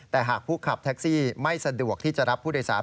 แต่หากผู้ขับแท็กซี่ไม่สะดวกที่จะรับผู้โดยสาร